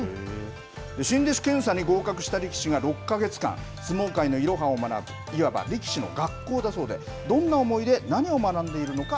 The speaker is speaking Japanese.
新弟子検査に合格した力士が６か月間、相撲界のいろはを学ぶ、いわば力士の学校だそうで、どんな思いで何を学んでいるのか